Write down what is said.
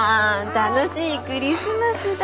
楽しいクリスマスだ。